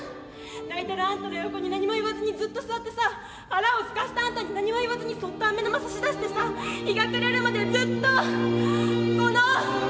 泣いてるあんたの横に何も言わずにずっと座ってさ腹をすかせたあんたに何も言わずにそっとアメ玉差し出してさ日が暮れるまでずっとこの」。